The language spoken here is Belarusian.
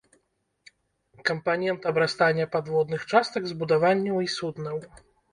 Кампанент абрастання падводных частак збудаванняў і суднаў.